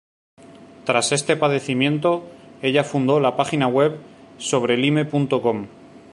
Tras este padecimiento, ella fundó la página web Sobrelyme.com.